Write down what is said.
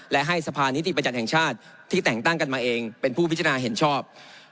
และให้สภานิติบัญญัติแห่งชาติที่แต่งตั้งกันมาเองเป็นผู้พิจารณาเห็นชอบ